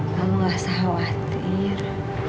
kamu gak usah khawatir